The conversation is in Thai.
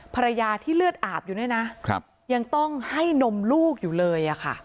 ภรรยาที่เลือดอาบอยู่เนี่ยนะยังต้องให้นมลูกอยู่เลย